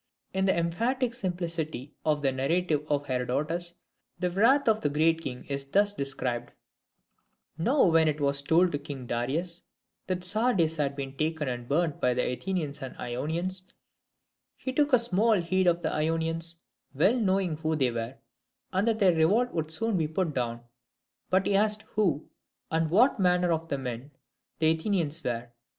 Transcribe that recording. In the emphatic simplicity of the narrative of Herodotus, the wrath of the Great King is thus described: "Now when it was told to King Darius that Sardis had been taken and burnt by the Athenians and Ionians, he took small heed of the Ionians, well knowing who they were, and that their revolt would soon be put down: but he asked who, and what manner of men, the Athenians were.